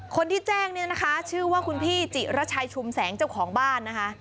คนที่แจ้งเนี่ยนะคะชื่อว่าคุณพี่จิระชัยชุมแสงเจ้าของบ้านนะคะ